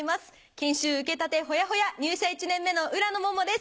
研修受けたてホヤホヤ入社１年目の浦野モモです。